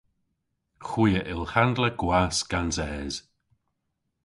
Hwi a yll handla gwask gans es.